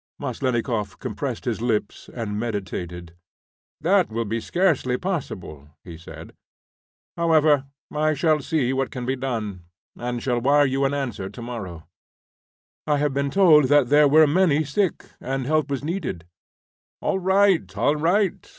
Maslennikoff compressed his lips and meditated. "That will be scarcely possible," he said. "However, I shall see what can be done, and shall wire you an answer tomorrow." "I have been told that there were many sick, and help was needed." "All right, all right.